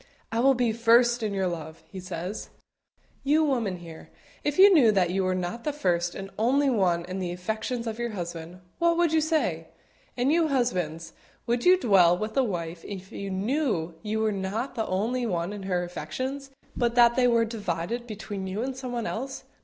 "I will be first in your love," He says. You women here, if you knew that you were not the first and only one in the affections of your husband, what would you say? And you husbands, would you dwell with a wife if you knew you were not the only one in her affections, but that they were divided between you and someone else?